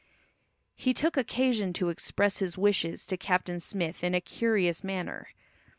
He took occasion to express his wishes to Captain Smith in a curious manner.